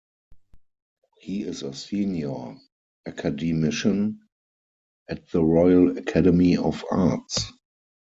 He is a Senior Academician at the Royal Academy of Arts.